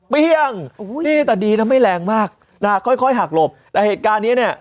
เปี้ยงนี่แต่ดีนะไม่แรงมากค่อยหักหลบแต่เหตุการณ์นี้เนี่ย